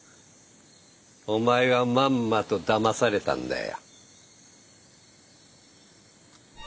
お前はまんまとだまされたんだよ。